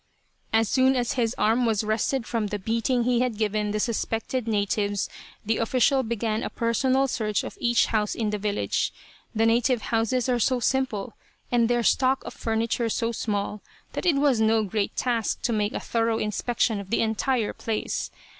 As soon as his arm was rested from the beating he had given the suspected natives the official began a personal search of each house in the village. The native houses are so simple, and their stock of furniture so small, that it was no great task to make a thorough inspection of the entire place.